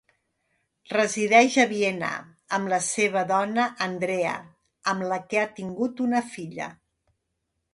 Resideix a Viena amb la seva dona Andrea amb la que ha tingut una filla.